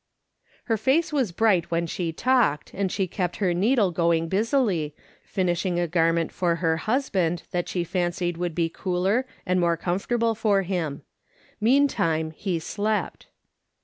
' Her face was bright while she talked, and she kept her needle going busily, finishing a garment for her husband that she fancied would be cooler and more comfortable for him. Meantime he slept.